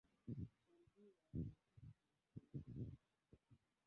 Kwa njia ya Kristo Bwana wetu.